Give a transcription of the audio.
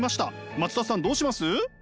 松田さんどうします？